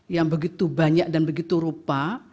yang begitu banyak dan begitu rupa